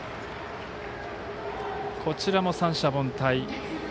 こちらも三者凡退。